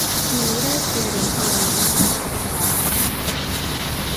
He later appeared in Total Nonstop Action Wrestling.